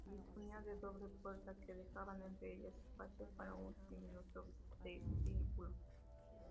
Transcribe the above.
Disponía de doble puerta que dejaban entre ellas espacio para un diminuto vestíbulo.